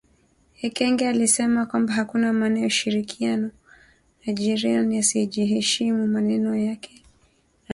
Ekenge alisema kwamba hakuna maana ya ushirikiano na jirani aiyeheshimu maneno na ahadi zake katika mikutano kadhaa ambayo imefanyika